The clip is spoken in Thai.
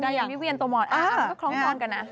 จำเนียนวิเวียนโตมอนอ้าวคล้องกันนะ